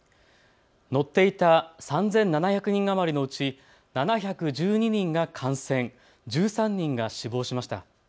乗っていた３７００人余りのうち７１２人が感染、１３人が死亡しました。